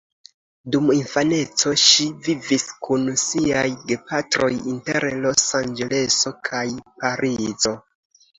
Dum infaneco ŝi vivis kun siaj gepatroj inter Los-Anĝeleso kaj Parizo.